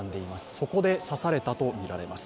そこで刺されたとみられます。